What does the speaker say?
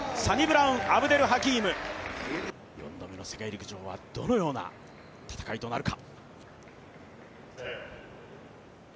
サニブラウン・アブデルハキーム４度目の世界陸上はどのような戦いとなるか。